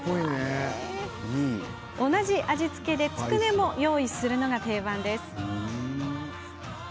同じ味付けでつくねも用意するのが定番です。